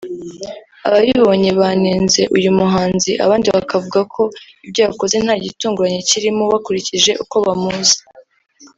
Ababibonye banenze uyu muhanzi abandi bakavuga ko ibyo yakoze nta gitunguranye kirimo bakurikije uko bamuzi